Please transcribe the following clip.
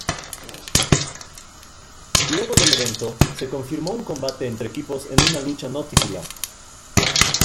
Luego del evento, se confirmó un combate entre equipos en una lucha no titular.